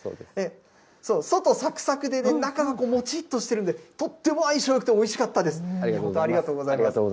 外さくさくでね、中がもちっとしているんで、とっても相性よくてありがとうございます。